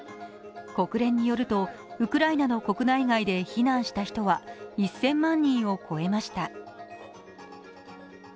国連によると、ウクライナの国内外で避難した人は１０００万人を超えました。